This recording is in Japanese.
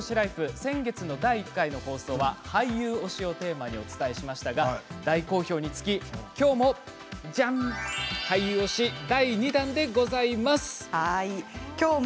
先月の第１回の放送は俳優推しのテーマにお伝えしましたが、大好評につききょうも俳優推し第２弾でございます。